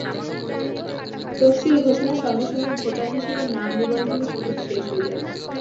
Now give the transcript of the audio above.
তফসিল ঘোষণার সঙ্গে সঙ্গে ভোটার হিসেবে নাম নিবন্ধনের সুযোগ শেষ হয়ে যাবে।